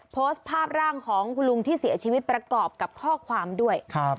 โพสต์ภาพร่างของคุณลุงที่เสียชีวิตประกอบกับข้อความด้วย